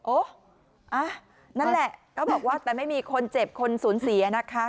นั่นแหละก็บอกว่าแต่ไม่มีคนเจ็บคนสูญเสียนะคะ